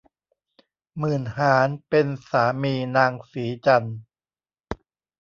หมื่นหาญเป็นสามีนางสีจันทร์